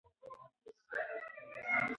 ملا بانګ کولی شي چې دروازه بنده کړي.